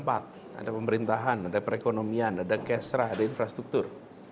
ada pemerintahan ada perekonomian ada kesra ada infrastruktur